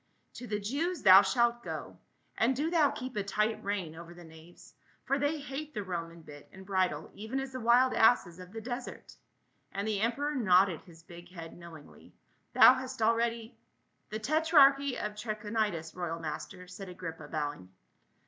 " To the Jews thou shalt go ; and do thou keep a tight rein over the knaves, for they hate the Roman bit and bridle even as the wild asses of the desert," and the emperor nodded his big head know ingly. "Thou hast already —?" "The tetrarchy of Trachonitis, royal master," said Agrippa bowing.